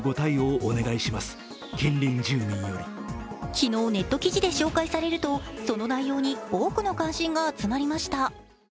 昨日ネット記事で紹介されると、その内容に多くの関心が集まりました。